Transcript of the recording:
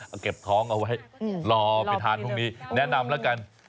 เอาเก็บท้องเอาไว้รอไปทานพวกนี้แนะนำแล้วกัน